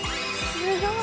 すごい！